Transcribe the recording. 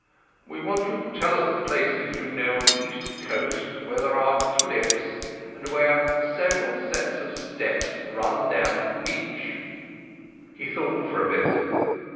"We want you to tell us the places you know on the East Coast where there are cliffs, and where several sets of steps run down to the beach." He thought for a bit.